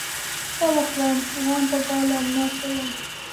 څه وکړم؟! غم به ګالم؛ ناست به يم.